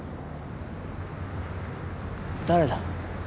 誰だ？